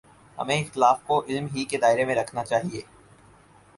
ہمیں اختلاف کو علم ہی کے دائرے میں رکھنا چاہیے۔